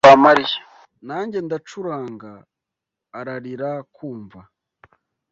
Nanjye ndacuranga, ararira kumva